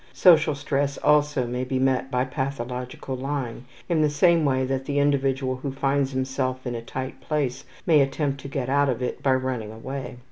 Social stress also may be met by pathological lying, in the same way that the individual who finds himself in a tight place may attempt to get out of it by running away.